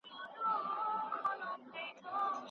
که انصاف وي، کینه نه وي.